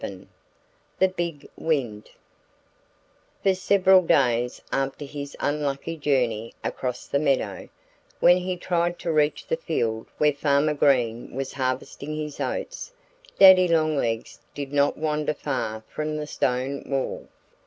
XI THE BIG WIND FOR several days after his unlucky journey across the meadow, when he tried to reach the field where Farmer Green was harvesting his oats, Daddy Longlegs did not wander far from the stone wall.